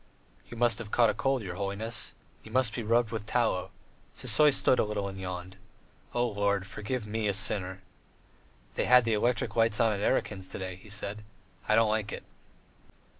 "You must have caught cold, your holiness. You must be rubbed with tallow." Sisoy stood a little and yawned. "O Lord, forgive me, a sinner." "They had the electric lights on at Erakin's today," he said; "I don't like it!"